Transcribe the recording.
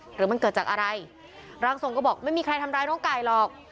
หรือมันเกิดจากอะไรร่างทรงก็บอกไม่มีใครทำร้ายน้องไก่หรอก